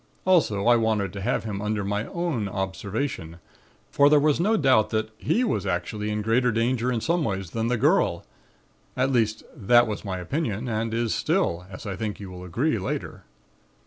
Also, I wanted to have him under my own observation, for there was no doubt but that he was actually in greater danger in some ways than the girl. At least, that was my opinion and is still, as I think you will agree later.